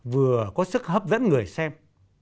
vừa có sức hấp dẫn người xem